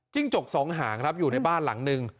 จิ้งจกสองหางอยู่ในบ้านหลังนึง